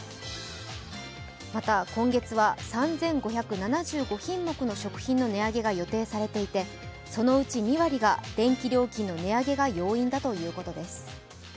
また今月は３５７５品目の食品の値上げが予定されていてそのうち２割が電気料金の値上げが要因だということです。